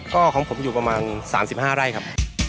ก็ของผมอยู่ประมาณ๓๕ไร่ครับ